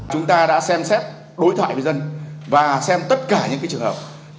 chúng ta đã xem xét đối thoại với dân và xem tất cả những trường hợp